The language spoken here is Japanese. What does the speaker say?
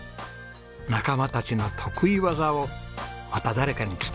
仲間たちの得意技をまた誰かに伝えていく学びの里。